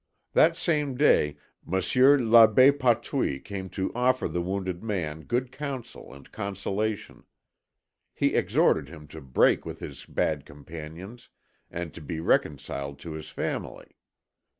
That same day Monsieur l'Abbé Patouille came to offer the wounded man good counsel and consolation. He exhorted him to break with his bad companions and to be reconciled to his family.